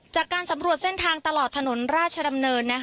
จากการสำรวจเส้นทางตลอดถนนราชดำเนิน